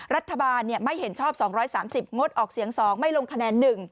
รัฐบาลไม่เห็นชอบ๒๓๐งดออกเสียง๒ไม่ลงคะแนน๑